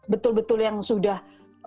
betul betul yang sudah